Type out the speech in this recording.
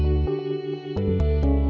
satu dua tiga yuk